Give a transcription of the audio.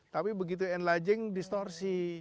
tapi begitu enlarging distorsi